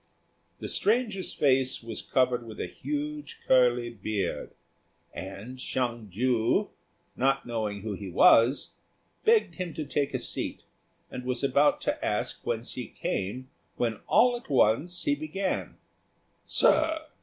The stranger's face was covered with a huge curly beard; and Hsiang ju, not knowing who he was, begged him to take a seat, and was about to ask whence he came, when all at once he began, "Sir!